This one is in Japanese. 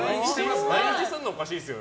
毎日するのおかしいですよ